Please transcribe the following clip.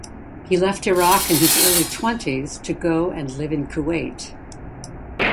He left Iraq in his early twenties to go and live in Kuwait.